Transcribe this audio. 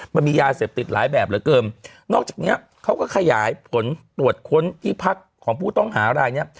มันมียาเสพติดหลายแบบเหลือเกินนอกจากเนี้ยเขาก็ขยายผลตรวจค้นที่พักของผู้ต้องหารายเนี้ย